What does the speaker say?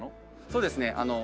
そうですね。